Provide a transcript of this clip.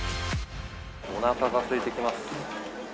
おなかがすいてきます。